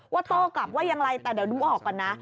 โต้กลับว่าอย่างไรแต่เดี๋ยวดูออกก่อนนะ